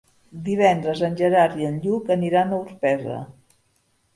Divendres en Gerard i en Lluc aniran a Orpesa.